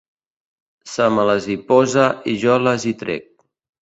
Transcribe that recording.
Se me les hi posa i jo les hi trec.